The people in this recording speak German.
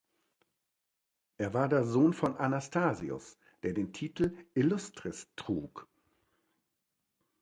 Er war der Sohn von Anastasius, der den Titel "illustris" trug.